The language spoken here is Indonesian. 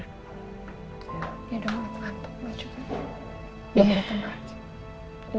kemungkinan sebentar lagi dia juga akan tidur